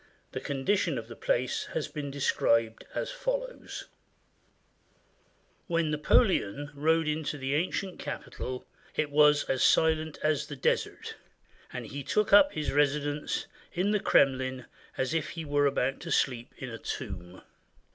The condi tion of the place has been described as follows: — "When Napoleon rode into the ancient capital, it was as silent as the desert, and he took up his residence in the Kremlin as if he were about to sleep in a tomb.